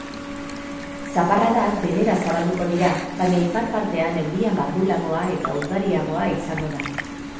Zaparradak denera zabalduko dira baina ipar partean euria mardulagoa eta ugariagoa izango da.